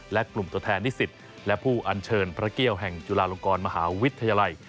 และกลุ่มตัวแทนนิสิตและผู้อัญเชิญพระเกี่ยวแห่งจุฬาลงกรมหาวิทยาลัย